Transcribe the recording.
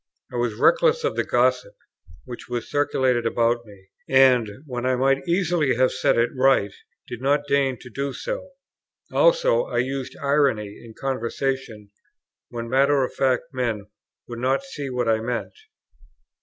I was reckless of the gossip which was circulated about me; and, when I might easily have set it right, did not deign to do so. Also I used irony in conversation, when matter of fact men would not see what I meant.